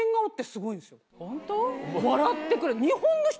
笑ってくれる。